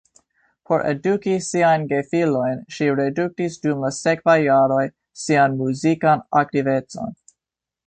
Por eduki siajn gefilojn ŝi reduktis dum la sekvaj jaroj sian muzikan aktivecon.